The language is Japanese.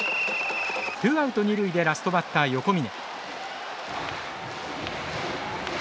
ツーアウト、二塁でラストバッター横峯。